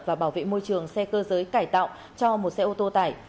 và bảo vệ môi trường xe cơ giới cải tạo cho một xe ô tô tải